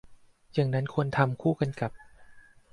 อย่างนั้นควรทำควบคู่กัน